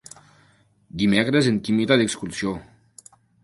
Dimecres en Quim irà d'excursió.